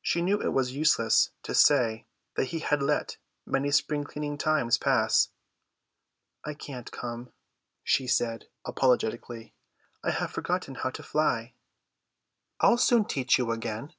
She knew it was useless to say that he had let many spring cleaning times pass. "I can't come," she said apologetically, "I have forgotten how to fly." "I'll soon teach you again."